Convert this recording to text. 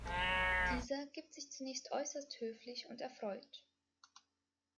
Dieser gibt sich zunächst äußerst höflich und erfreut.